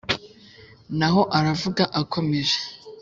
Naho aravuga akomeje.